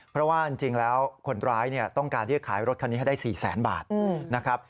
เพราะว่าจริงแล้วคนร้ายต้องการที่จะขายรถคันนี้ให้ได้๔แสนบาทนะครับ